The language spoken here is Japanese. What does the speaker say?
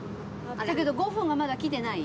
だけど５分がまだ来てない？